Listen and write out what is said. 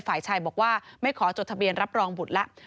ฝ่ายชายบอกว่าไม่ขอจดทะเบียนรับรองบุตรแล้ว